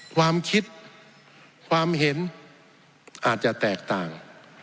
ความคิดความเห็นอาจจะแตกต่าง